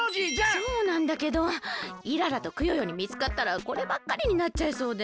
そうなんだけどイララとクヨヨにみつかったらこればっかりになっちゃいそうで。